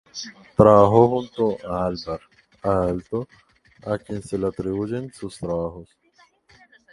Trabajó junto a Alvar Aalto, a quien se le atribuyen sus trabajos.